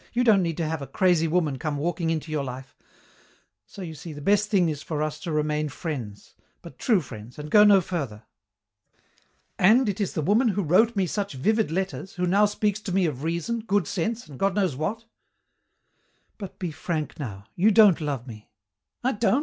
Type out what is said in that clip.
You don't need to have a crazy woman come walking into your life. So, you see, the best thing is for us to remain friends, but true friends, and go no further." "And it is the woman who wrote me such vivid letters, who now speaks to me of reason, good sense, and God knows what!" "But be frank, now. You don't love me." "I don't?"